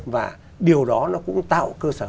và điều đó nó cũng tạo cơ sở